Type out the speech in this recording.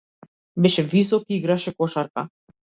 Беше висок и играше кошарка.